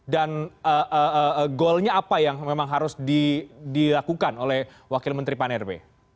dan goalnya apa yang memang harus dilakukan oleh wakil menteri pan rb